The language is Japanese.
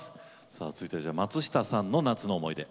さあ続いてじゃあ松下さんの夏の思い出。